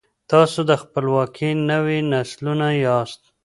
تاسو د خپلواکۍ نوي نسلونه یاست.